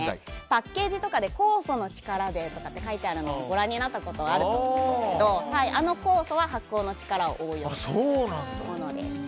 パッケージとかで酵素の力でとか書いてあるのもご覧になったことあると思うんですけどあの酵素は発酵の力を応用しているものです。